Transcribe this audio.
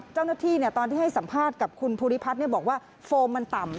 เจ้าหน้าที่ตอนที่ให้สัมภาษณ์กับคุณภูริพัฒน์บอกว่าโฟมมันต่ำ